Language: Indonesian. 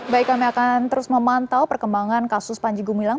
baik kami akan terus memantau perkembangan kasus panji gumilang